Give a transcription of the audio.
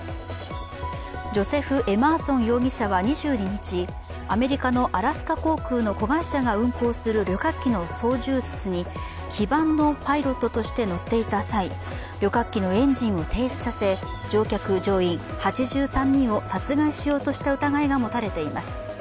ジョセフ・エマーソン容疑者は２２日アメリカのアラスカ空港の子会社が運航する旅客機の操縦室に非番のパイロットとして乗っていた際、旅客機のエンジンを停止させ乗客乗員８３人を殺害しようとした疑いが持たれています。